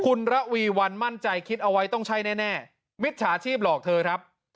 คุณระวีวันมั่นใจคิดเอาไว้ต้องใช่แน่มิจฉาชีพหลอกเธอครับ